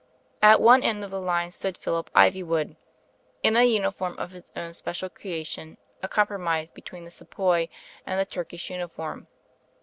At one end of the line stood Ph*^ip Iv3nvood, in a uniform of his own special creatioii, a compromise between the Sepoy and the Ttu kSsh uniform.